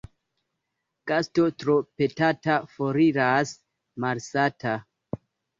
Gasto tro petata foriras malsata.